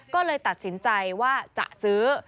ก็เลยตัดสินใจว่าจะซื้อ